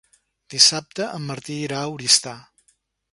Dissabte en Martí irà a Oristà.